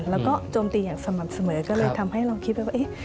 แล้วก็โจมตีอย่างสม่ำเสมอก็เลยทำให้เราคิดไปว่าเอ๊ะ